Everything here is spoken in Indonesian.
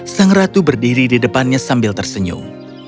sang ratu berdiri di depannya sambil tersenyum